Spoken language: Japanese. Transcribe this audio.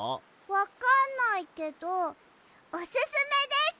わかんないけどおすすめです！